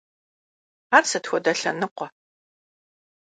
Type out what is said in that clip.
Ar sıt xuede lhenıkhue?